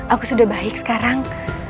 aku sudah baik sekarang